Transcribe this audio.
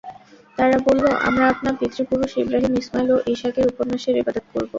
তারা বললঃ আমরা আপনার পিতৃপুরুষ ইবরাহীম, ইসমাঈল ও ইসহাকের উপাস্যের ইবাদত করব।